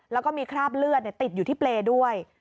แล้วก็มีคราบเลือดติดอยู่ที่เปรย์ด้วย